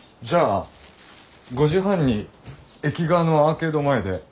じゃあ５時半に駅側のアーケード前で。